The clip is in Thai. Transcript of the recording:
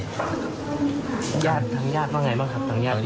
ย่านทางญาติว่าไงบ้างครับ